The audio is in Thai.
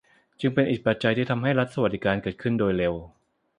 จึงเป็นอีกปัจจัยที่สำคัญให้รัฐสวัสดิการเกิดขึ้นโดยเร็ว